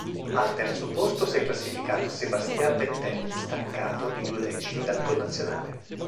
Al terzo posto si è classificato Sebastian Vettel, staccato di due decimi dal connazionale.